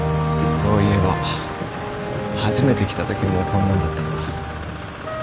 そういえば初めて来たときもこんなんだったな。